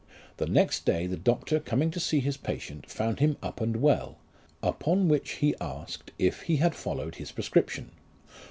The next day the doctor coming to see his patient, found him up and well ; upon which he asked if he had followed his prescription?